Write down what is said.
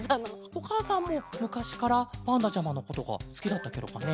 おかあさんもむかしからパンダちゃまのことがすきだったケロかね？